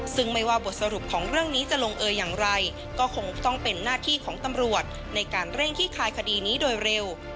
ซึ่งไม่ว่าบทสรุปของเรื่องนี้จะลงเอยอย่างไรก็คงต้องเป็นหน้าที่ของตำรวจในการเร่งขี้คายคดีนี้โดยเร็ว